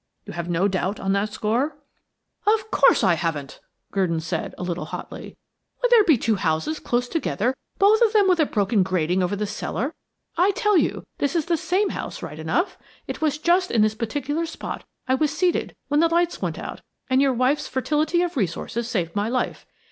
You have no doubt on that score?" "Of course, I haven't," Gurdon said, a little hotly. "Would there be two houses close together, both of them with a broken grating over the cellar? I tell you this is the same house right enough. It was just in this particular spot I was seated when the lights went out, and your wife's fertility of resource saved my life.